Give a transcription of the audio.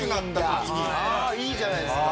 いいじゃないですか。